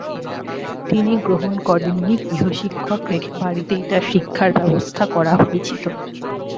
তিনি গ্রহণ করেননি; গৃহশিক্ষক রেখে বাড়িতেই তার শিক্ষার ব্যবস্থা করা হয়েছিল।